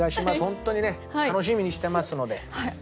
本当にね楽しみにしてますので。